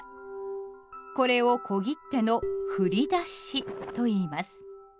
これを小切手の「振り出し」といいます。